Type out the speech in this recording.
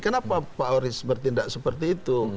kenapa pak oris bertindak seperti itu